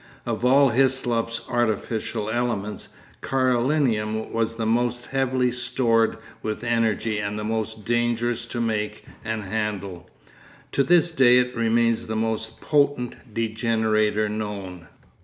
Of all Hyslop's artificial elements, Carolinum was the most heavily stored with energy and the most dangerous to make and handle. To this day it remains the most potent degenerator known.